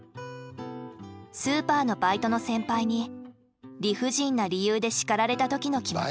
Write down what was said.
スーパーのバイトの先輩に理不尽な理由で叱られた時の気持ち。